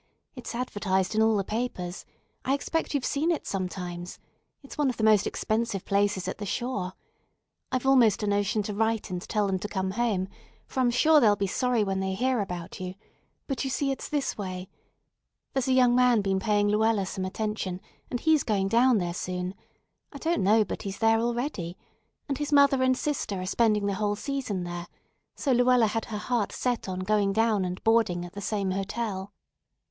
It's advertised in all the papers. I expect you've seen it sometimes. It's one of the most expensive places at the shore. I've almost a notion to write and tell them to come home, for I'm sure they'll be sorry when they hear about you; but you see it's this way. There's a young man been paying Luella some attention, and he's going down there soon; I don't know but he's there already; and his mother and sister are spending the whole season there; so Luella had her heart set on going down and boarding at the same hotel."